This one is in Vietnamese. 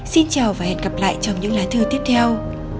xin chào và hẹn gặp lại trong những lá thư tiếp theo